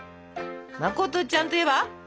「まことちゃん」といえば？